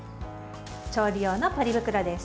調理用のポリ袋です。